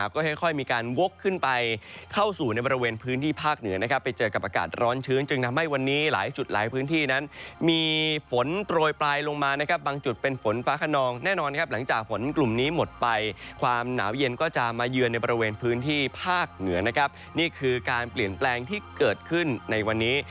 ก็ค่อยมีการวกขึ้นไปเข้าสู่ในบริเวณพื้นที่ภาคเหนือนะครับไปเจอกับอากาศร้อนชื้นจึงทำให้วันนี้หลายจุดหลายพื้นที่นั้นมีฝนโปรยปลายลงมานะครับบางจุดเป็นฝนฟ้าขนองแน่นอนครับหลังจากฝนกลุ่มนี้หมดไปความหนาวเย็นก็จะมาเยือนในบริเวณพื้นที่ภาคเหนือนะครับนี่คือการเปลี่ยนแปลงที่เกิดขึ้นในวันนี้